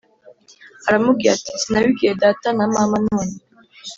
aramubwira ati Sinabibwiye data na mama none